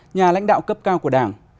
nhà lãnh đạo cấp cao của đảng